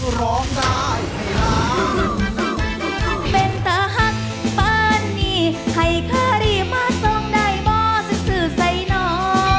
ให้เค้ารีบมาส่งได้บ่สิ่งสื่อใส่หนอ